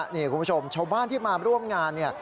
นี่คุณผู้ชมชาวบ้านที่มาร่วมงานเนี่ย